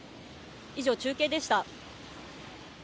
以上、中継でした。